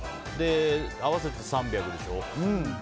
合わせて３００でしょ。